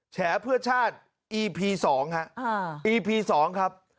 แฉะเพื่อชาติอีพี๒ครับ